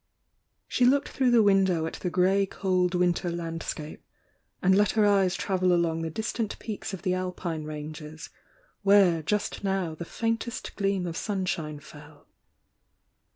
She looked through the window at the grey cold winter landscape, and let her eyes travel dong the distant peaks of the Alpine ranges, where just now the faintest gleam of sunshine fell.